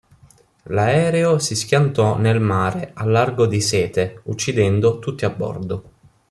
L'aereo si schiantò nel mare al largo di Sète, uccidendo tutti a bordo.